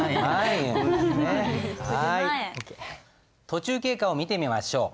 途中経過を見てみましょう。